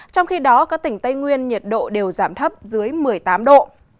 trong khi đó các tỉnh tây nguyên nhiệt độ đều giảm thấp dưới một mươi tám độ